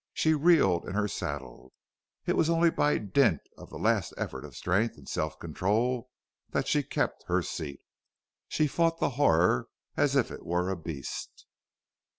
She reeled in her saddle. It was only by dint of the last effort of strength and self control that she kept her seat. She fought the horror as if it were a beast.